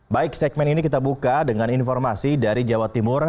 baik segmen ini kita buka dengan informasi dari jawa timur